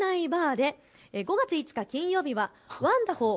で５月５日金曜日はワンダホー！